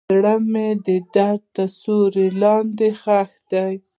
زړه مې د درد تر سیوري لاندې ښخ شو.